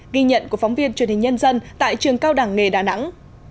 ghi nhận của phóng viên truyền hình nhân dân tại trường cao đẳng nghề đà nẵng